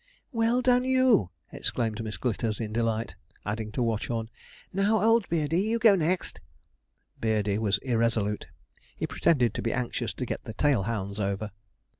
'Well done you!' exclaimed Miss Glitters in delight; adding to Watchorn, 'Now, old Beardey, you go next.' Beardey was irresolute. He pretended to be anxious to get the tail hounds over.